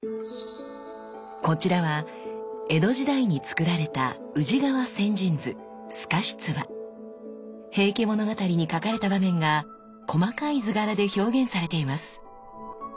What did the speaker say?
こちらは江戸時代につくられた「平家物語」に書かれた場面が細かい図柄で表現されています。